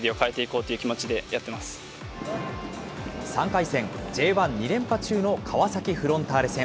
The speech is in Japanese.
３回戦、Ｊ１、２連覇中の川崎フロンターレ戦。